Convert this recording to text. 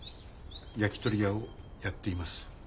焼きとり屋をやっています。